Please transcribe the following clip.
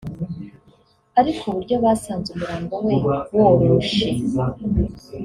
ariko uburyo basanze umurambo we woroshe